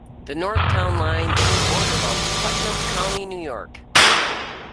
The north town line is the border of Putnam County, New York.